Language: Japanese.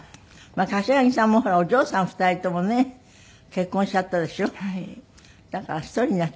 柏木さんもほらお嬢さん２人ともね結婚しちゃった。